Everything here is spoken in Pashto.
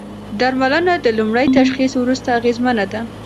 درملنه د لومړي تشخیص وروسته اغېزمنه ده.